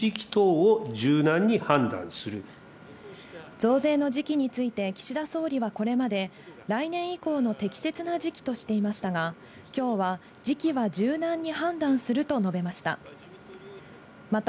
増税の時期について岸田総理はこれまで、来年以降の適切な時期としていましたが、今日は時期は柔軟に判断すると述べました。